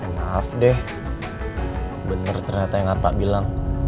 maaf deh bener ternyata yang ata bilang